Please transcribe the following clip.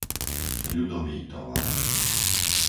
Ľudovítová